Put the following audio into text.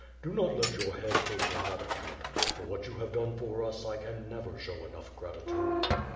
Do not let your head ache on that ac count. For what you have done for us I can never show enough gratitude."